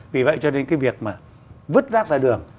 vì vậy cho nên cái việc mà vứt rác ra đường